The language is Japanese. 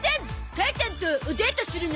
母ちゃんとおデートするの？